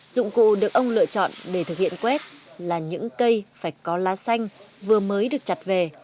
dụng cụ được ông lựa chọn để thực hiện quét là những cây phải có lá xanh vừa mới được chặt về